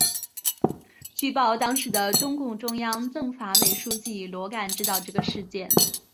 据报当时的中共中央政法委书记罗干知道这个事件。